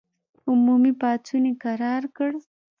عمومي پاڅون یې کرار کړ.